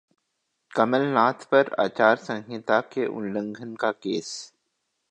कमलनाथ पर आचार संहिता के उल्लंघन का केस